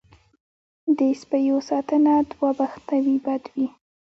دې سپیو ساتنه دوه بخته وي بد وي.